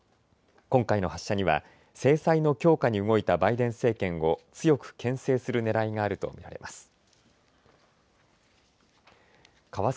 今回の発射には制裁の強化に動いたバイデン政権を強くけん制するねらいがあると見られます。